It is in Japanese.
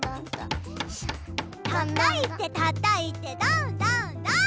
たたいてたたいてどんどんどん！